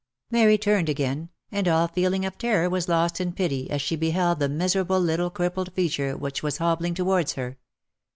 Mary turned again, and all feeling of terror was lost in pity as she beheld the miserable little crippled figure which was hobbling towards her.